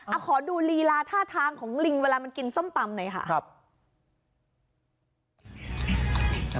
เอาขอดูลีลาท่าทางของลิงเวลามันกินส้มตำหน่อยค่ะครับ